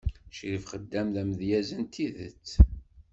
Ccrif Xeddam d amedyaz n tidet.